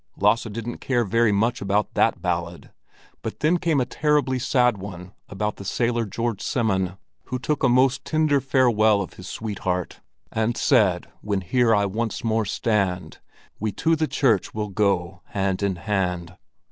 Lasse didn't care very much about that ballad; but then came a terribly sad one about the sailor George Semon, who took a most tender farewell of his sweetheart— "And said, When here I once more stand, We to the church will go hand in hand."